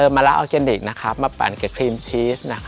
มะละออร์แกนิคมาปั่นกับครีมชีส